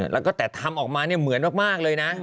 แล้วก็แต่ทำออกมาเนี่ยเหมือนมากเลยนะ